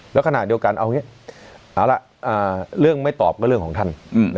แล้วขนาดเดียวกันเรื่องไม่ตอบก็เรื่องของท่าน